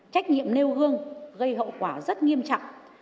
trách nhiệm nêu gương gây hậu quả rất nghiêm trọng